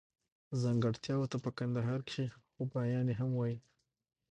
ځانګړتياوو ته په کندهار کښي خوباياني هم وايي.